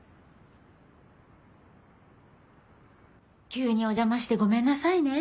急にお邪魔してごめんなさいね。